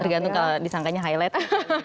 tergantung kalau disangkanya highlight